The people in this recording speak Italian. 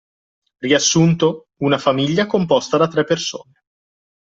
Riassunto: Una famiglia composta da tre persone